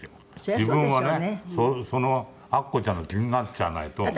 自分はねそのアッコちゃんの気になっちゃわないと。